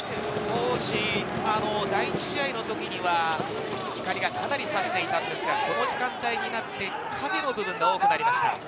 第１試合の時には光がかなり差していたんですが、この時間帯になって、影の部分が多くなりました。